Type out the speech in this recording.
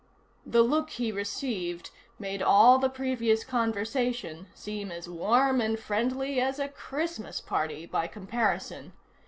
The look he received made all the previous conversation seem as warm and friendly as a Christmas party by comparison.